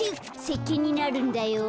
せっけんになるんだよ。